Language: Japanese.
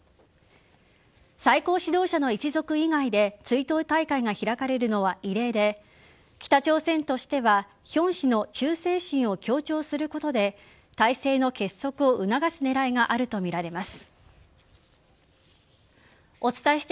最高指導者の一族以外で追悼大会が開かれるのは異例で北朝鮮としてはヒョン氏の忠誠心を強調することで体制の結束を促す狙いがあるとみられます。